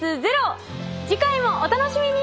次回もお楽しみに！